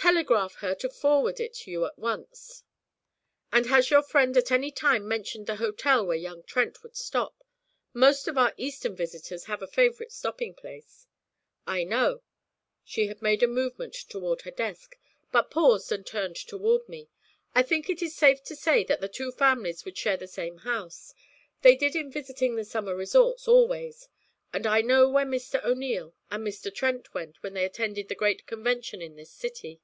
'Telegraph her to forward it to you at once. And has your friend at any time mentioned the hotel where young Trent would stop? Most of our Eastern visitors have a favourite stopping place.' 'I know.' She had made a movement toward her desk, but paused and turned toward me. 'I think it is safe to say that the two families would share the same house. They did in visiting the summer resorts, always; and I know where Mr. O'Neil and Mr. Trent went when they attended the great convention in this city.'